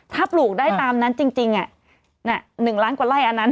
ถ้าปลูกได้ตามนั้นจริง๑ล้านกว่าไร่อันนั้น